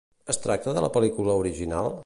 Es tracta de la pel·lícula original?